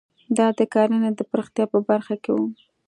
دا د کرنې د پراختیا په برخه کې وو.